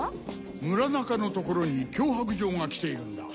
村中のところに脅迫状が来ているんだ。